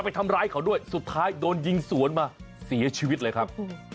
ไปทำร้ายเขาด้วยสุดท้ายโดนยิงสวนมาเสียชีวิตเลยครับ